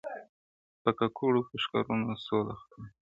په ککړو په شکرونو سوه له خدایه -